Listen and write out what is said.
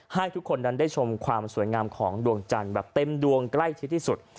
ให้ทุกคนนั้นได้ชมความสวยงามของดวงจันทร์แบบเต็มดวงใกล้ชิดที่สุด